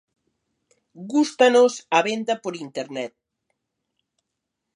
Gústanos a venda por internet.